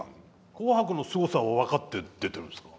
「紅白」のすごさは分かって出てるんですか？